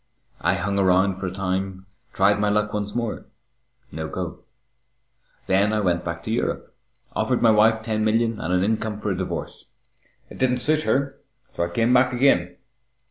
I hung around for a time, tried my luck once more no go. Then I went back to Europe, offered my wife ten million and an income for a divorce. It didn't suit her, so I came back again.